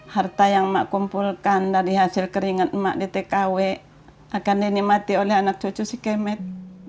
harta yang mak kumpulkan dari hasil keringan emak di tkw akan dinikmati oleh anak cucu si kemet